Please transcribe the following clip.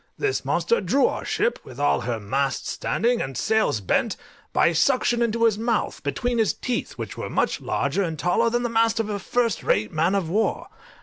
This monster drew our ship, with all her masts standing, and sails bent, by suction into his mouth, between his teeth, which were much larger and taller than the mast of a first rate man of war.